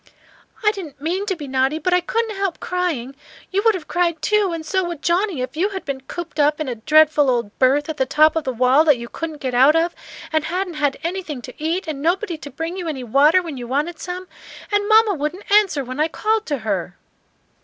"I didn't mean to be naughty, but I couldn't help crying. You would have cried too, and so would Johnnie, if you had been cooped up in a dreadful old berth at the top of the wall that you couldn't get out of, and hadn't had anything to eat, and nobody to bring you any water when you wanted some. And mamma wouldn't answer when I called to her."